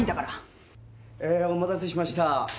えーお待たせしました。